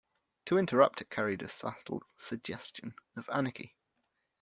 To interrupt it carried a subtle suggestion of anarchy.